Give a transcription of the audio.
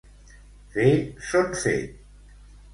Fer son fet.